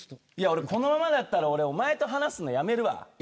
いやこのままだったら俺お前と話すのやめるわ。